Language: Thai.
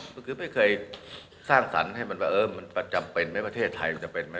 ก็คือไม่เคยสร้างสรรค์ให้มันว่าเออมันประจำเป็นไหมประเทศไทยมันจะเป็นไหม